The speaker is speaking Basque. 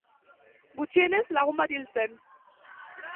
Gutxienez lagun bat hil zen.